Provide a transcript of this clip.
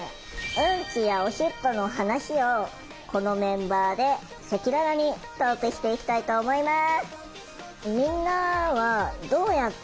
ウンチやオシッコの話をこのメンバーで赤裸々にトークしていきたいと思います。